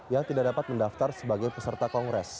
yang tidak dapat mendaftar sebagai peserta kongres